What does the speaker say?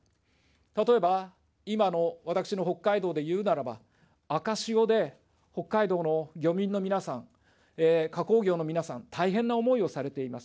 例えば今の私の北海道で言うならば、赤潮で北海道の漁民の皆さん、加工業の皆さん、大変な思いをされています。